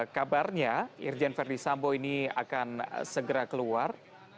kabarnya irjen ferdisambo ini akan segera keluar